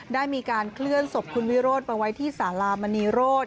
ได้มีการเคลื่อนศพคุณวิโรธไปไว้ที่สารามณีโรธ